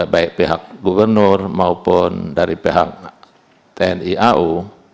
baik pihak gubernur maupun dari pihak tni au